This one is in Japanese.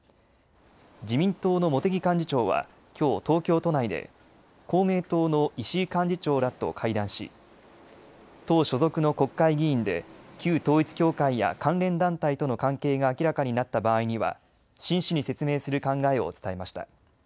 自民党の茂木幹事長はきょう、東京都内で公明党の石井幹事長らと会談し、党所属の国会議員で旧統一教会や関連団体との関係が明らかになった場合には真摯に説明する考えを伝えました。